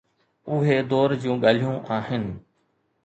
اهي دور جون ڳالهيون آهن.